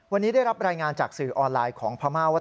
วันนี้ได้รับรายงานจากสื่อออนไลน์ของพม่าว่า